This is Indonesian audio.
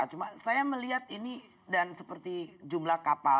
cuma saya melihat ini dan seperti jumlah kapal